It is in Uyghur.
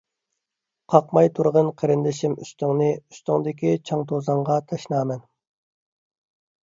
قاقماي تۇرغىن قېرىندىشىم ئۈستۈڭنى، ئۈستۈڭدىكى چاڭ-توزانغا تەشنامەن.